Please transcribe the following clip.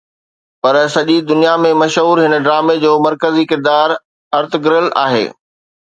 پر سڄي دنيا ۾ مشهور هن ڊرامي جو مرڪزي ڪردار ارطغرل آهي